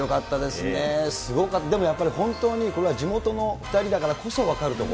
すごかった、でもやっぱり本当に、これは地元の２人だからこそ分かる所。